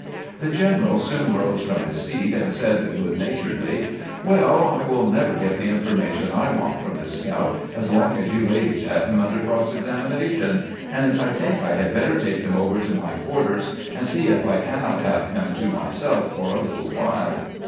The general soon rose from his seat, and said good naturedly :" Well, I wiU never 398 CAMPAIGNIKG WITH GBANT m get the information I want from this scout as long as you ladies have him under cross examination, and I think I had better take him over to my quarters, and see if I cannot have him to myseK for a little while."